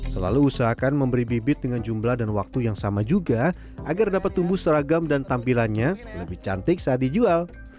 selalu usahakan memberi bibit dengan jumlah dan waktu yang sama juga agar dapat tumbuh seragam dan tampilannya lebih cantik saat dijual